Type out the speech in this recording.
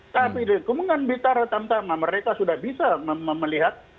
tapi di lingkungan bintara tantama mereka sudah bisa melihat